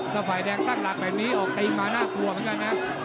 ถ้าฝ่ายแดงตั้งหลักแบบนี้ออกตีนมาน่ากลัวเหมือนกันนะ